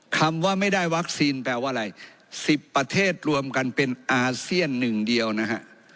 คำว่าไม่ได้วัคซีนแปลว่าอะไร๑๐ประเทศรวมกันเป็นอาเซียนหนึ่งเดียวนะฮะ